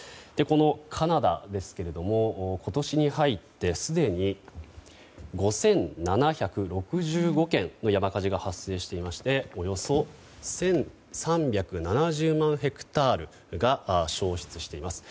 カナダですけれども今年に入ってすでに５７６５件の山火事が発生していましておよそ１３７０万ヘクタールが焼失しています。